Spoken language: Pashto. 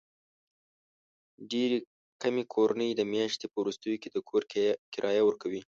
ډېرې کمې کورنۍ د میاشتې په وروستیو کې د کور کرایه ورکوي.